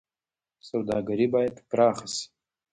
سوداګري باید پراخه شي